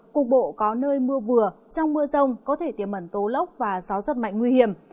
cục bộ có nơi mưa vừa trong mưa rông có thể tiềm mẩn tố lốc và gió rất mạnh nguy hiểm